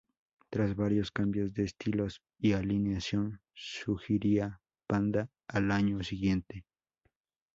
Tras varios cambios de estilos y alineación, surgiría Panda al año siguiente.